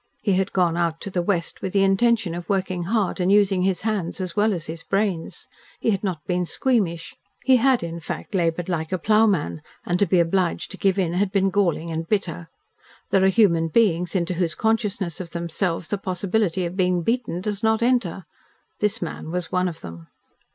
He had gone out to the West with the intention of working hard and using his hands as well as his brains; he had not been squeamish; he had, in fact, laboured like a ploughman; and to be obliged to give in had been galling and bitter. There are human beings into whose consciousness of themselves the possibility of being beaten does not enter. This man was one of them.